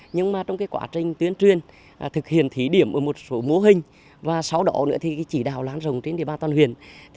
nhưng mà trong quá trình tuyên truyền thực hiện thí điểm ở một số mô hình và sau đó nữa thì chỉ đào lan rồng trên địa bàn toàn huyện